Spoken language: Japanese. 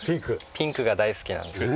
ピンクが大好きなので。